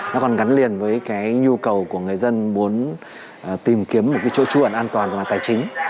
nó còn gắn liền với cái nhu cầu của người dân muốn tìm kiếm một cái chỗ chuẩn an toàn của màn tài chính